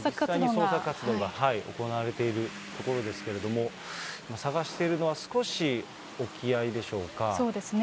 捜索活動が行われているところですけれども、捜しているのはそうですね。